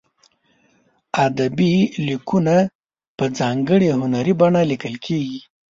ادبي لیکونه په ځانګړې هنري بڼه لیکل کیږي.